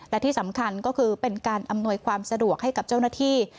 และที่สำคัญก็คือเป็นการอำนวยความสะดวกให้กับเจ้าหน้าที่